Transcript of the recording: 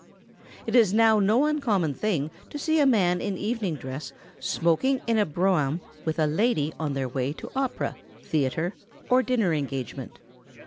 ] It is now no uncommon thing to see a man in evening dress smoking in a brougham with a lady on their way to opera, theatre, or dinner engagement.